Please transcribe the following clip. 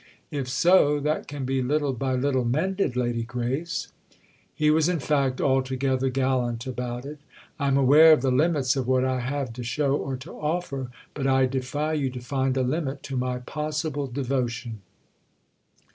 If so, that can be little by little mended, Lady Grace." He was in fact altogether gallant about it. "I'm aware of the limits of what I have to show or to offer, but I defy you to find a limit to my possible devotion."